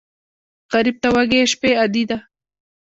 غریب ته وږې شپه عادي ده